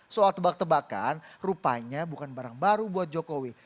soal tebak tebakan rupanya bukan barang baru buat jokowi